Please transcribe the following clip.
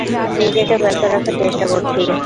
নিজেকে ব্যস্ত রাখার চেষ্টা করছি।